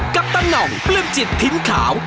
ปตันหน่องปลื้มจิตถิ่นขาว